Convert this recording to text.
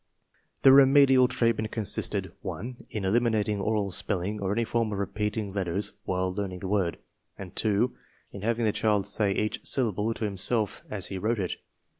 The remedial treatment consisted (1) in eliminating oral spelling or any form of repeating letters while learn ing the word, and (2) in having the child say each sylla ble to himself as he wrote it.